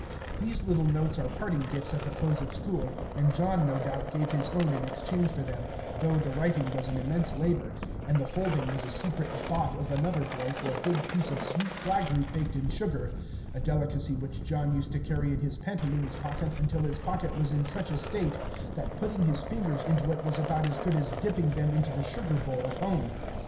These little notes are parting gifts at the close of school, and John, no doubt, gave his own in exchange for them, though the writing was an immense labor, and the folding was a secret bought of another boy for a big piece of sweet flag root baked in sugar, a delicacy which John used to carry in his pantaloons pocket until his pocket was in such a state that putting his fingers into it was about as good as dipping them into the sugar bowl at home.